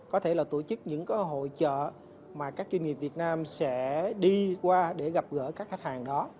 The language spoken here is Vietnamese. có thể là tổ chức những hội trợ mà các doanh nghiệp việt nam sẽ đi qua để gặp gỡ các khách hàng đó